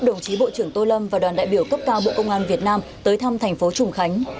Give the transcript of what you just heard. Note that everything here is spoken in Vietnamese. đồng chí bộ trưởng tô lâm và đoàn đại biểu cấp cao bộ công an việt nam tới thăm thành phố trùng khánh